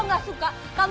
kanaan soalnya sekarang